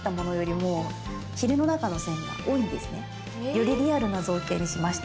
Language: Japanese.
よりリアルな造形にしました。